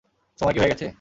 সময় কি হয়ে গেছে?